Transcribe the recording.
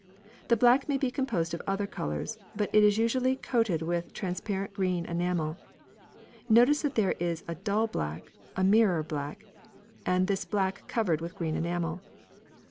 The black may be composed of other colours, but it is usually coated with a transparent green enamel. Notice that there is a dull black, a mirror black, and this black covered with green enamel.